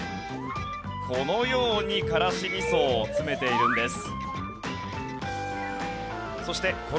このように辛子味噌を詰めているんです。